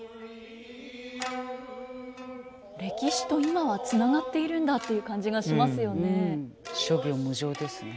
歴史と今はつながっているんだという感じがしますよね。